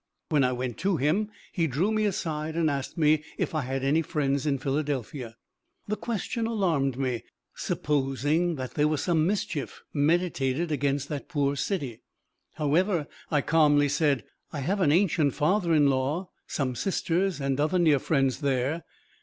When I went to him, he drew me aside and asked me if I had any friends in Philadelphia. The question alarmed me, supposing that there was some mischief meditated against that poor city; however, I calmly said, 'I have an ancient father in law, some sisters, and other near friends there.'